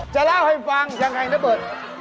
จะเล่าให้ฟังยักษ์แห่งน้ำเบิร์ด